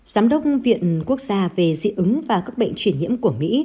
giám đốc viện quốc gia về dị ứng và các bệnh chuyển nhiễm của mỹ